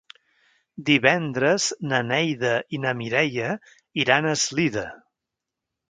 Divendres na Neida i na Mireia iran a Eslida.